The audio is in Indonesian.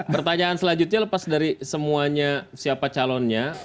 pertanyaan selanjutnya lepas dari semuanya siapa calonnya